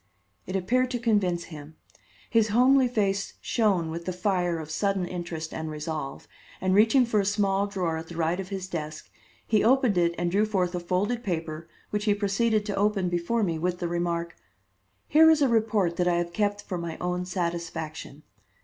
It appeared to convince him. His homely face shone with the fire of sudden interest and resolve, and, reaching for a small drawer at the right of his desk, he opened it and drew forth a folded paper which he proceeded to open before me with the remark: "Here is a report that I have kept for my own satisfaction.